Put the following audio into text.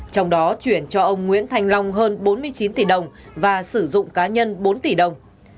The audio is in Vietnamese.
trong đó chuyển cho ông nguyễn thành long hơn bốn mươi chín tỷ đồng và sử dụng cá nhân bốn tỷ đồng